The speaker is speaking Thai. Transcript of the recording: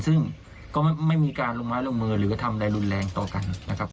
ซึ่งก็ไม่มีการลงมือหรือทำอะไรรุนแรงต่อกัน